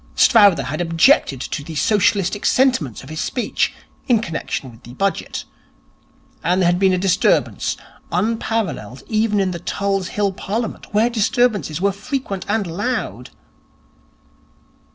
Strowther had objected to the socialistic sentiments of his speech in connection with the Budget, and there had been a disturbance unparalleled even in the Tulse Hill Parliament, where disturbances were frequent and loud....